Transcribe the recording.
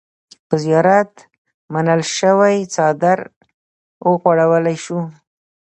په زيارت منلے شوے څادر اوغوړولے شو۔